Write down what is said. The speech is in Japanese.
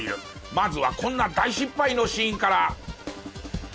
まずはこんな大失敗のシーンから。